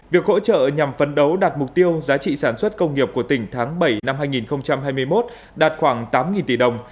việc hỗ trợ nhằm phấn đấu đạt mục tiêu giá trị sản xuất công nghiệp của tỉnh tháng bảy năm hai nghìn hai mươi một đạt khoảng tám tỷ đồng